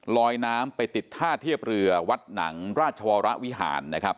ลอยน้ำไปติดท่าเทียบเรือวัดหนังราชวรวิหารนะครับ